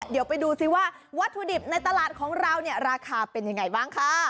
เดี๋ยวไปดูซิว่าวัตถุดิบในตลาดของเราเนี่ยราคาเป็นยังไงบ้างค่ะ